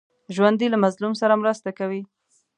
ژوندي له مظلوم سره مرسته کوي